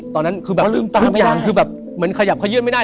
ใครเล่าที